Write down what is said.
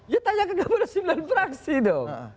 ya tanyakan kepada sembilan praksi dong